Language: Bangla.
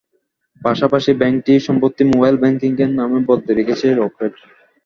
পাশাপাশি ব্যাংকটি সম্প্রতি মোবাইল ব্যাংকিংয়ের নাম বদলে রেখেছে রকেট।